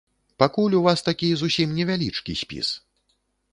Пакуль у вас такі зусім невялічкі спіс.